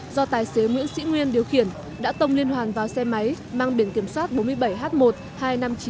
do tài xế nguyễn sĩ nguyên điều khiển đã tông liên hoàn vào xe máy mang biển kiểm soát bốn mươi bảy h một hai mươi năm nghìn chín trăm năm mươi chín